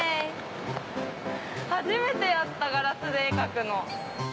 初めてやったガラスで絵描くの。